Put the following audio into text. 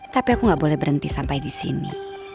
tapi aku gak boleh berhenti sampai di sini